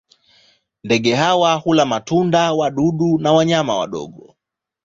Ndege hawa hula matunda, wadudu na wanyama wadogo.